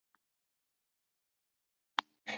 也是唯一由在阪局制作的节目。